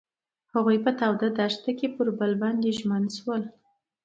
هغوی په تاوده دښته کې پر بل باندې ژمن شول.